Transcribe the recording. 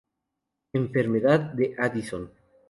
Enfermedad de Addison.